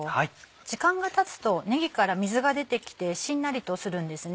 時間がたつとねぎから水が出てきてしんなりとするんですね。